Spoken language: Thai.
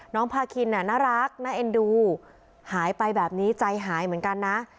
พาคินน่ารักน่าเอ็นดูหายไปแบบนี้ใจหายเหมือนกันนะ